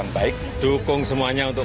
baik dukung semuanya untuk